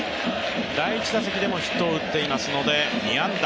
第１打席でもヒットを打っていますので２安打。